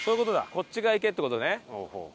こっち側行けって事ね。